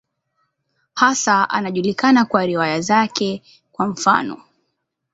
Hasa anajulikana kwa riwaya zake, kwa mfano.